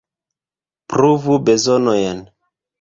Pruvu bezonojn.